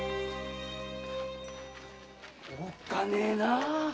おっかねえな！